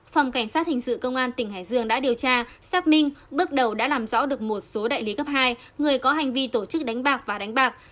phòng cảnh sát hình sự công an tỉnh hải dương đã điều tra xác minh bước đầu đã làm rõ được một số đại lý cấp hai người có hành vi tổ chức đánh bạc và đánh bạc